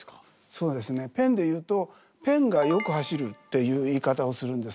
そうですねペンで言うとペンがよく走るっていう言い方をするんですけど。